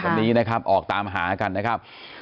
วันนี้นะครับออกตามหากันนะครับ